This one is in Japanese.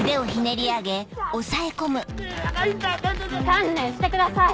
観念してください。